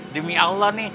demi allah nih